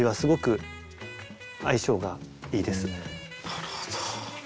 なるほど。